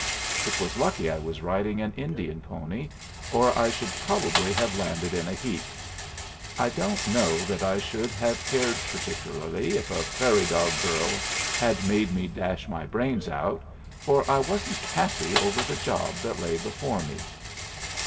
It was lucky I was riding an Indian pony, or I should probably have landed in a heap. I don't know that I should have cared particularly if a prairie dog burrow had made me dash my brains out, for I wasn't happy over the job that lay before me.